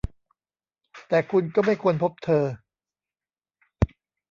แต่คุณก็ไม่ควรพบเธอ !